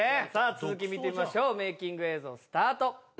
さぁ続き見てみましょうメイキング映像スタート。